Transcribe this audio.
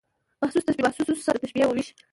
محسوس تشبیه له محسوس سره د تشبېه وېش.